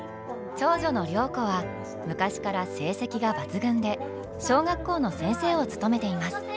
長女の良子は昔から成績が抜群で小学校の先生を務めています。